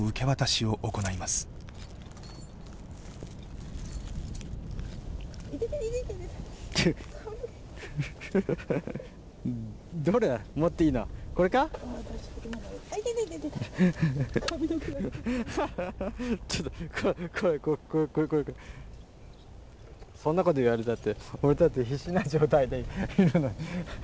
そんなこと言われたって俺だって必死な状態でいるのに。